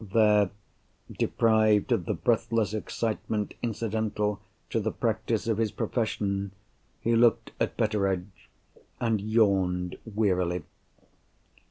There, deprived of the breathless excitement incidental to the practice of his profession, he looked at Betteredge—and yawned wearily.